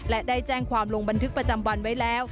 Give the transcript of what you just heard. และได้แจ้งความลงบันทึกประจำวันไว้แล้ว